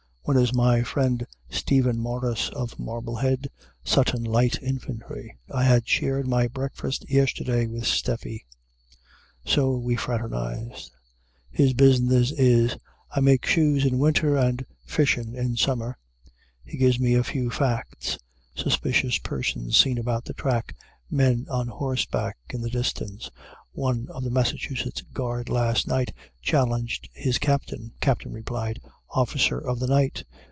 One is my friend Stephen Morris, of Marblehead, Sutton Light Infantry. I had shared my breakfast yesterday with Stephe. So we refraternize. His business is, "I make shoes in winter and fishin' in summer." He gives me a few facts, suspicious persons seen about the track, men on horseback in the distance. One of the Massachusetts guard last night challenged his captain. Captain replied, "Officer of the night."